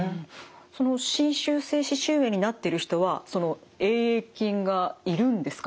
その侵襲性歯周炎になっている人はそのＡ．ａ．菌がいるんですか？